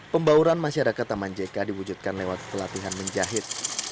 pembauran masyarakat taman jk diwujudkan lewat pelatihan menjahit